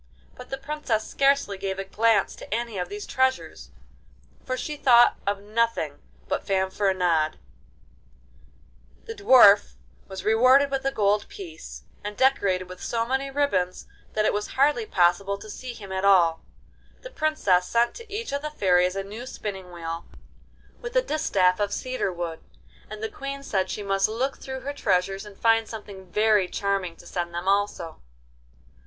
But the Princess scarcely gave a glance to any of these treasures, for she thought of nothing but Fanfaronade. The Dwarf was rewarded with a gold piece, and decorated with so many ribbons that it was hardly possible to see him at all. The Princess sent to each of the fairies a new spinning wheel with a distaff of cedar wood, and the Queen said she must look through her treasures and find something very charming to send them also.